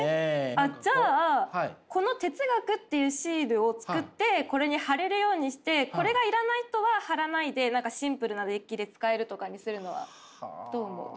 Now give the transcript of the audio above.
あっじゃあこの「哲学」っていうシールを作ってこれに貼れるようにしてこれが要らない人は貼らないで何かシンプルなデッキで使えるとかにするのはどう思う？